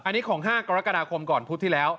อันนี้ของ๕กรกฎาคมก่อนพุธที่แล้ว